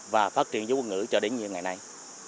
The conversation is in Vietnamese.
và phát triển chữ quốc ngữ cho đến ngày nay